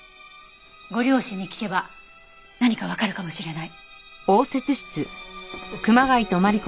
ご両親に聞けば何かわかるかもしれない。